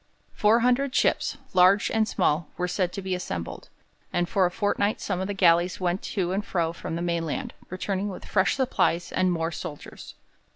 Four hundred ships, large and small, were said to be assembled, and for a fortnight some of the galleys went to and from the mainland, returning with fresh supplies and more soldiers.